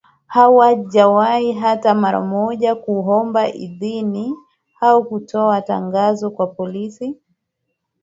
Hawajawahi hata mara moja kuomba idhini au kutoa tangazo kwa polisi